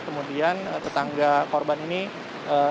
kemudian tetangga korban ini